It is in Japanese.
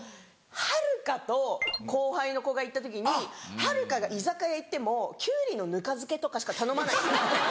はるかと後輩の子が行った時にはるかが居酒屋行ってもキュウリのぬか漬けとかしか頼まないんですよ。